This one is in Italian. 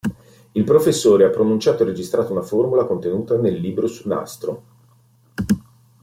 Il professore ha pronunciato e registrato una formula contenuta nel libro sul nastro.